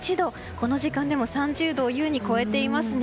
この時間でも３０度を優に超えていますね。